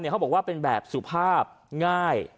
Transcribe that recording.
เขาบอกว่าเป็นแบบสุภาพง่าย